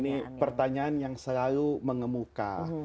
ini pertanyaan yang selalu mengemuka